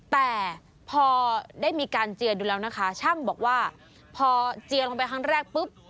แต่พอได้มีการเจียดูแล้วนะคะช่างบอกว่าพอเจียนลงไปครั้งแรกปุ๊บ